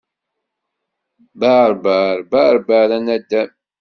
Berber, berber a naddam.